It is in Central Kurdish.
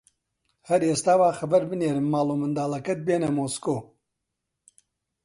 هەر ئێستا با خەبەر بنێرم ماڵ و منداڵەکەت بێنە مۆسکۆ